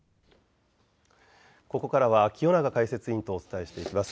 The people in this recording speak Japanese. ここからは清永解説委員とお伝えしていきます。